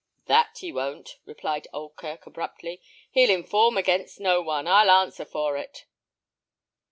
"That he won't," replied Oldkirk, abruptly. "He'll inform against no one, I'll answer for it."